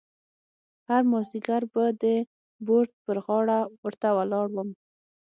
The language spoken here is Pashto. هر مازیګر به د بورد پر غاړه ورته ولاړ وم.